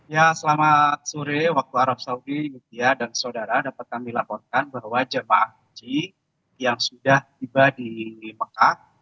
ya selamat sore waktu arab saudi mutia dan saudara dapat kami laporkan bahwa jemaah haji yang sudah tiba di mekah